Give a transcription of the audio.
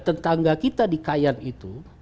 tetangga kita di kayan itu